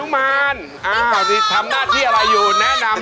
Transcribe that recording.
ไม่คิดว่าพี่ไม่ได้อยู่เชียงใหม่